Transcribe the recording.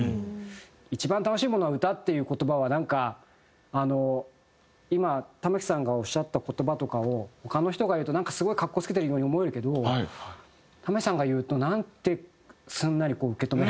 「一番楽しいものは歌」っていう言葉はなんかあの今玉置さんがおっしゃった言葉とかを他の人が言うとなんかすごい格好付けてるように思えるけど玉置さんが言うとなんてすんなり受け止められる。